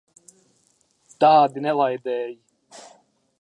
Tādi nelaidēji!